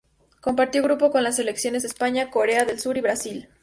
Compartió grupo con las Selecciones de España, Corea del Sur, Brasil.